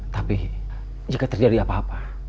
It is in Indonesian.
tapi jika terjadi apa apa